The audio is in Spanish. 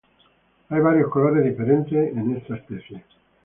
Hay varios colores diferentes en esta especie.